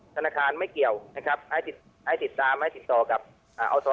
ธนาคารไม่เกี่ยวนะครับให้ติดตามให้ติดต่อกับอศ